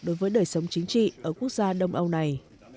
đối với đời sống chính trị ở quốc gia đông âu này